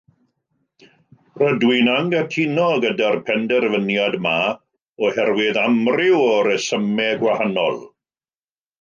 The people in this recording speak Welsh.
Rydw i'n anghytuno gyda'r penderfyniad yma oherwydd amryw o resymau gwahanol